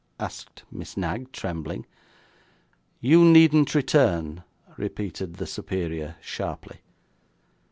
asked Miss Knag, trembling. 'You needn't return,' repeated the superior, sharply.